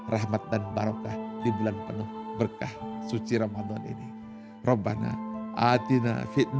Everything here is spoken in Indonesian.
rahmat dan barokah di bulan penuh berkah suci ramadan ini